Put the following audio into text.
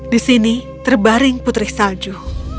di sini terbaring putri salju